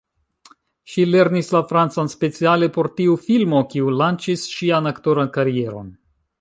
Ŝi lernis la francan speciale por tiu filmo, kiu lanĉis ŝian aktoran karieron.